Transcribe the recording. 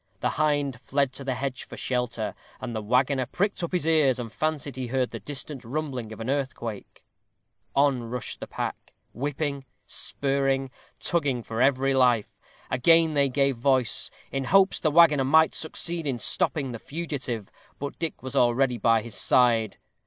The hind fled to the hedge for shelter, and the waggoner pricked up his ears, and fancied he heard the distant rumbling of an earthquake. On rush the pack, whipping, spurring, tugging for very life. Again they gave voice, in hopes the waggoner might succeed in stopping the fugitive. But Dick was already by his side.